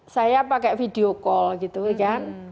saya pakai video call gitu kan